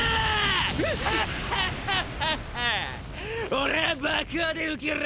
俺ァ爆破で浮ける！